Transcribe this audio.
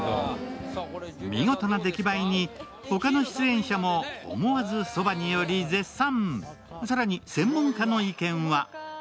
見事な出来栄えに、ほかの出演者に思わずそばにより絶賛。